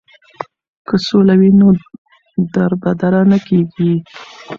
که سوله وي نو دربدره نه کیږي.